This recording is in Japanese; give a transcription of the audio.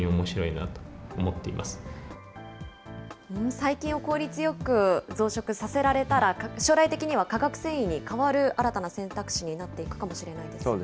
細菌を効率よく増殖させられたら将来的には化学繊維に代わる新たな選択肢になっていくかもしれませんね。